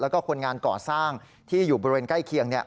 แล้วก็คนงานก่อสร้างที่อยู่บริเวณใกล้เคียง